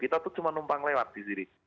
kita tuh cuma numpang lewat di sini